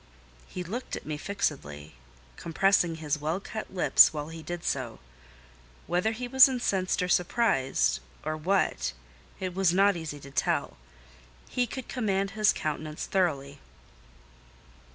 He looked at me fixedly, compressing his well cut lips while he did so. Whether he was incensed or surprised, or what, it was not easy to tell: he could command his countenance thoroughly.